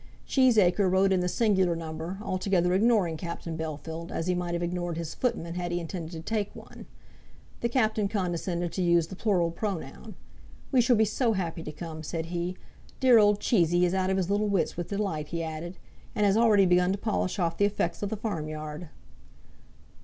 Cheesacre wrote in the singular number, altogether ignoring Captain Bellfield, as he might have ignored his footman had he intended to take one. The captain condescended to use the plural pronoun. "We shall be so happy to come," said he. "Dear old Cheesy is out of his little wits with delight," he added, "and has already begun to polish off the effects of the farmyard."